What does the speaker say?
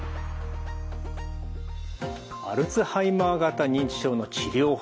アルツハイマー型認知症の治療法。